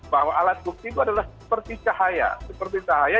bahwa alat bukti itu adalah seperti cahaya